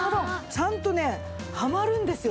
ちゃんとねはまるんですよ。